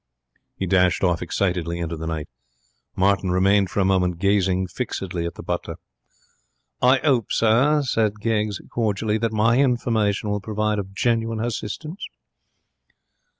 He dashed off excitedly into the night. Martin remained for a moment gazing fixedly at the butler. 'I 'ope, sir,' said Keggs, cordially, 'that my hinformation will prove of genuine hassistance.'